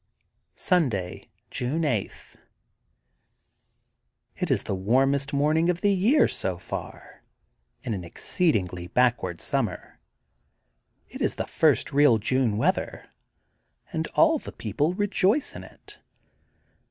Sunday, June 8: — ^It is the warmest morn ing of the year, so far, in an exceedingly back ward summer. It is the first real June weather, and all the people rejoice in it.